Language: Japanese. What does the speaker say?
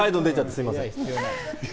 すみません。